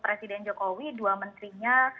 presiden jokowi dua menterinya